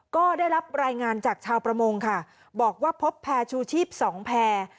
ก็ได้รับรายงานจากชาวประมงค่ะบอกว่าพบแพร่ชูชีพสองแพร่